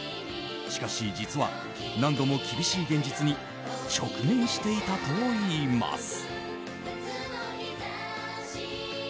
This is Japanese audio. しかし、実は何度も厳しい現実に直面していたといいます。